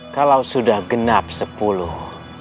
kalau sudah genap sepuluh